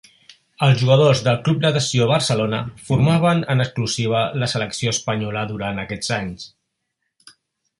Els jugadors del Club Natació Barcelona formaven en exclusiva la selecció espanyola durant aquests anys.